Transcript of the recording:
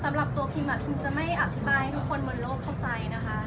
สำหรับตัวพิมพิมจะไม่อธิบายให้ทุกคนบนโลกเข้าใจนะคะ